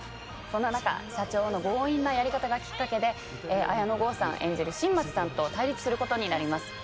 そんな中、社長の強引なやり方がきっかけで綾野剛さん演じる新町さんと対立することになります。